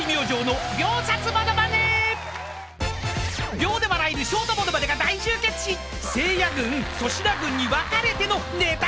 ［秒で笑えるショートものまねが大集結しせいや軍粗品軍に分かれての］